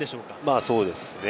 まぁ、そうですね。